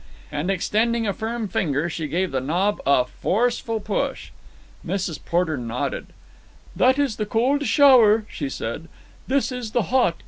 And, extending a firm finger, she gave the knob a forceful push. Mrs. Porter nodded. "That is the cold shower," she said. "This is the hot.